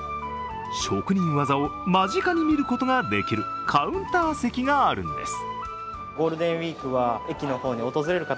職人技を間近に見ることができるカウンター席があるんです。